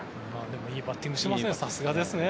でもいいバッティングしてますね